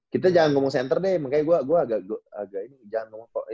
kita jangan ngomong center deh makanya gua agak ini jangan ngomong power forward